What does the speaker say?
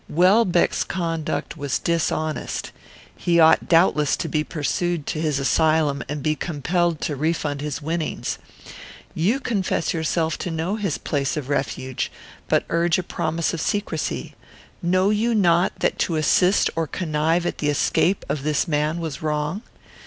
Welbeck's conduct was dishonest. He ought doubtless to be pursued to his asylum and be compelled to refund his winnings. You confess yourself to know his place of refuge, but urge a promise of secrecy. Know you not that to assist or connive at the escape of this man was wrong?